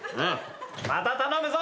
また頼むぞ！